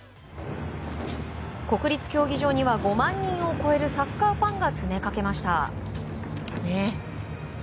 国立競技場には５万人を超えるサッカーファンが詰めかけました。